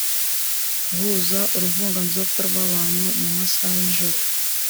gahuza uruvunganzoka rw’abantu mu masaha y’ijoro